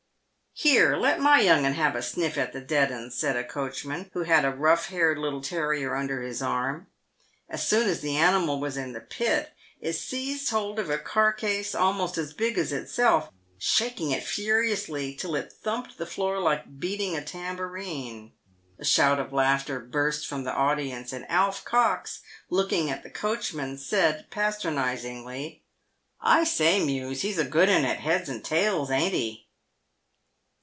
"Here, let my young 'un have a sniff at the dead 'uns," said a coachman, who had a rough haired little terrier under his arm. As soon as the animal was in the pit, it seized hold of a carcase almost as big as itself, shaking it furiously, till it thumped the floor like beating a tambourine. A shout of laughter burst from the audience, and Alf Cox, looking at the coachman, said patronisingly, " I say, Mews, he's a good 'un at heads and tails, ain't he